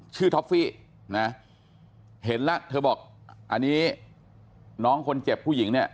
ท็อฟฟี่นะเห็นแล้วเธอบอกอันนี้น้องคนเจ็บผู้หญิงเนี่ย